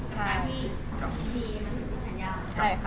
ใช่ค่ะ